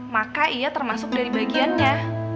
maka ia termasuk dari bagiannya